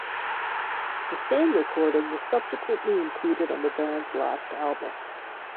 The same recording was subsequently included on the band's last album.